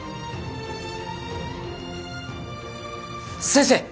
先生！